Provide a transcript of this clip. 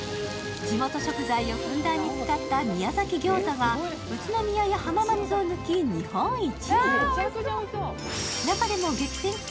地元食材をふんだんに使った宮崎ギョーザは宇都宮や浜松を抜き日本一。